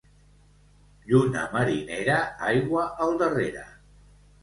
Lluna marinera, aigua al darrere.